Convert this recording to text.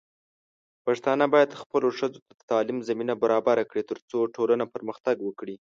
پښتانه بايد خپلو ښځو ته د تعليم زمينه برابره کړي، ترڅو ټولنه پرمختګ وکړي.